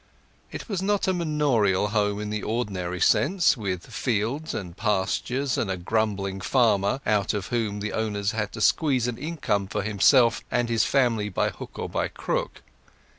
It was not a manorial home in the ordinary sense, with fields, and pastures, and a grumbling farmer, out of whom the owner had to squeeze an income for himself and his family by hook or by crook.